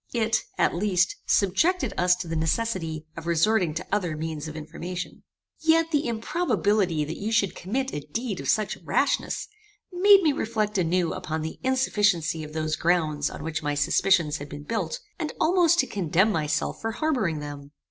It, at least, subjected us to the necessity of resorting to other means of information. Yet the improbability that you should commit a deed of such rashness, made me reflect anew upon the insufficiency of those grounds on which my suspicions had been built, and almost to condemn myself for harbouring them.